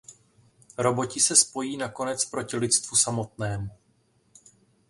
Roboti se spojí nakonec proti lidstvu samotnému.